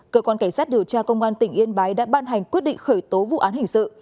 cơ quan cảnh sát điều tra công an tỉnh yên bái đã ban hành quyết định khởi tố vụ án hình sự